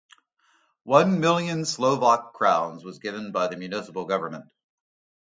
One million Slovak Crowns was given by the municipal government.